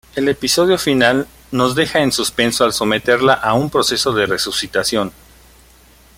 El episodio final nos deja en suspenso al someterla a un proceso de resucitación.